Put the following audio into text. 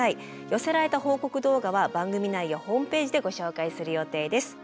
寄せられた報告動画は番組内やホームページでご紹介する予定です。